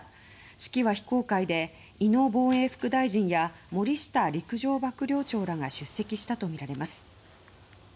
式は非公開で井野防衛副大臣や森下陸上幕僚長らが出席したとみられます。